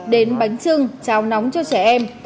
đến bánh trưng cháo nóng cho trẻ em